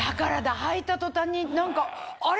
履いた途端に何かあれ？